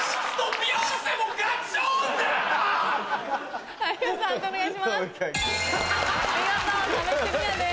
見事壁クリアです。